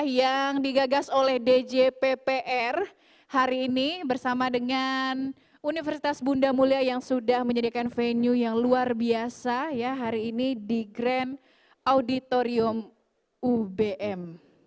yang digagas oleh djppr hari ini bersama dengan universitas bunda mulia yang sudah menyediakan venue yang luar biasa ya hari ini di grand auditorium ubm